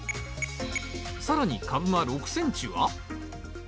更に株間６ｃｍは？